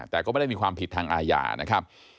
แต่ก็ไม่ได้มีความผิดทางอาญานะครับ